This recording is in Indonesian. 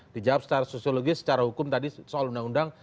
dijawab secara sosiologis secara hukum tadi soal undang undang